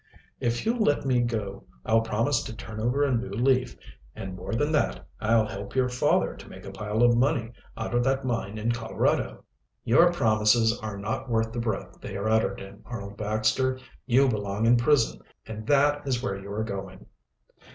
"If you'll let me go I'll promise to turn over a new leaf, and, more than that, I'll help your father to make a pile of money out of that mine in Colorado." "Your promises are not worth the breath they are uttered in, Arnold Baxter. You belong in prison, and that is where you are going."